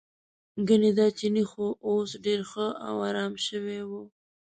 ګنې دا چینی خو اوس ډېر ښه او ارام شوی و.